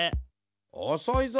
おそいぞ。